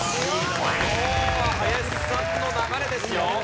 今日は林さんの流れですよ。